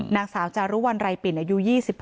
นางสาวจารุวัลไรปิ่นอายุ๒๕